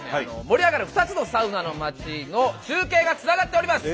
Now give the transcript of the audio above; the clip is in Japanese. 盛り上がる２つのサウナの町の中継がつながっております。